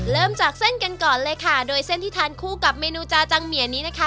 เริ่มจากเส้นกันก่อนเลยค่ะโดยเส้นที่ทานคู่กับเมนูจาจังเหมียนี้นะคะ